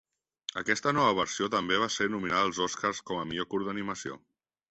Aquesta nova versió també va ser nominada als Oscars com a Millor curt d'animació.